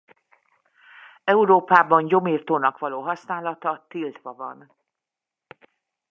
Európában gyomirtónak való használata tiltva van.